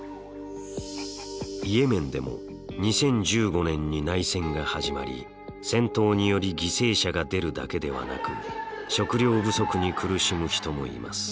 イエメンでも２０１５年に内戦が始まり戦闘により犠牲者が出るだけではなく食料不足に苦しむ人もいます。